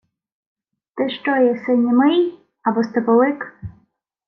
— Ти що єси, німий? Або степовик?